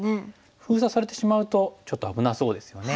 封鎖されてしまうとちょっと危なそうですよね。